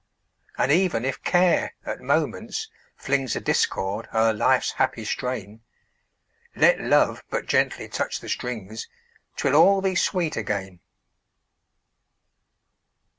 And even if Care at moments flings A discord o'er life's happy strain, Let Love but gently touch the strings, 'Twill all be sweet again!